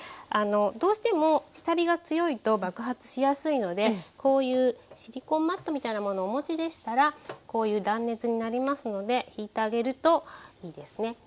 どうしても下火が強いと爆発しやすいのでこういうシリコンマットみたいなものをお持ちでしたらこういう断熱になりますのでひいてあげるといいですね。